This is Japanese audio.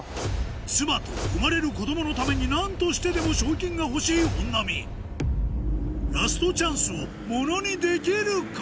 妻と生まれる子供のために何としてでも賞金が欲しい本並ラストチャンスを物にできるか？